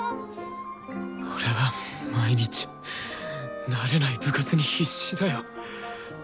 俺は毎日慣れない部活に必死だよ。